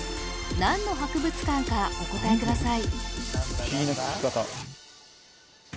何の博物館かお答えください